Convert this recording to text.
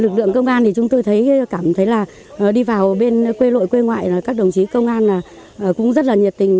lực lượng công an thì chúng tôi thấy cảm thấy là đi vào bên quê lội quê ngoại các đồng chí công an cũng rất là nhiệt tình